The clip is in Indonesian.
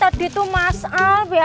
gak tau tadi tuh mas albi